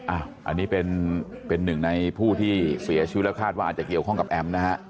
อันนี้เป็นหนึ่งในผู้ที่เสียชีวิตแล้วคาดว่าอาจจะเกี่ยวข้องกับแอมนะฮะ